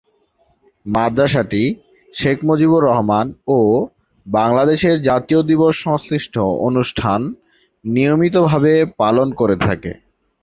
মাদ্রাসাটি শেখ মুজিবুর রহমান ও বাংলাদেশের জাতীয় দিবস সংশ্লিষ্ট অনুষ্ঠান নিয়মিতভাবে পালন করে থাকে।